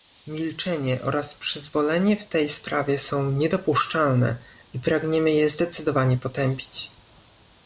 Milczenie oraz przyzwolenie w tej sprawie są niedopuszczalne i pragniemy je zdecydowanie potępić